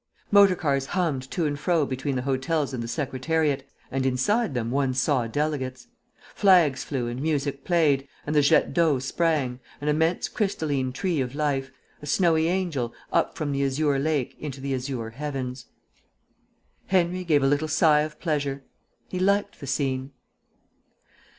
Motor cars hummed to and fro between the hotels and the Secretariat, and inside them one saw delegates. Flags flew and music played, and the jet d'eau sprang, an immense crystalline tree of life, a snowy angel, up from the azure lake into the azure heavens. Henry gave a little sigh of pleasure. He liked the scene.